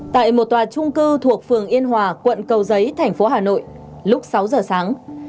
tại một tòa trung cư thuộc phường yên hòa quận cầu giấy tp hà nội lúc sáu giờ sáng